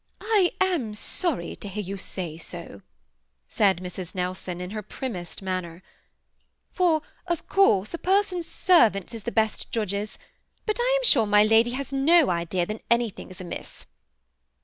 " I am sorry to hear you say so," said Mrs. Nelson, in her primmest manner, ^'for of course a person's servants is the best judges ; but I am sure my lady has no idea that anything is amiss."